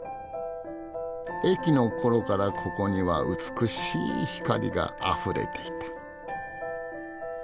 駅の頃からここには美しい光があふれていた。